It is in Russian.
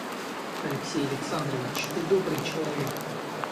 Алексей Александрович, ты добрый человек.